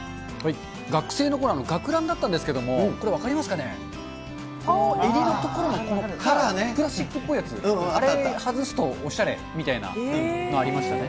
学生のころ、学ランだったんですけれども、これ分かりますかね、襟の所の、このプラスチックぽいやつ、あれ外すとおしゃれみたいなのありましたね。